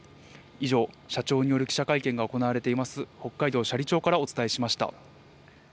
以上、社長による記者会見が行われています、北海道斜里町からお伝えしました。